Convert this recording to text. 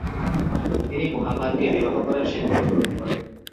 তিনি মুহাম্মাদকে বিবাহ করার সিদ্ধান্ত গ্রহণ করেন।